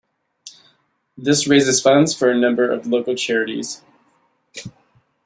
This raises funds for a number of local charities.